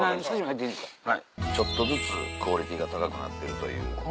ちょっとずつクオリティーが高くなってるという。